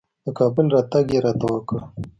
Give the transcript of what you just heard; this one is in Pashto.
د کابل راتګ یې راته وکړ.